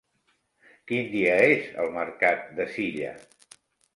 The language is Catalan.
Quin dia és el mercat de Silla?